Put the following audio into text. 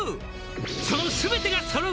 「その」